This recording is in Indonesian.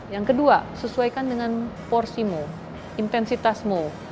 yang kedua sesuaikan dengan porsimu intensitasmu